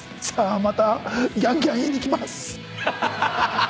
またギャンギャン言いに来ます。